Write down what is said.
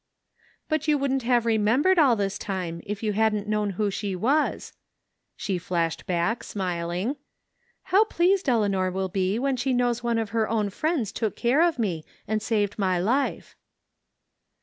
" But you wouldn't have remembered all this time if you hadn't known who she was," she flashed back, smiling. " How pleased Eleanor will be when she knows one of her own friends took care of me and saved my life."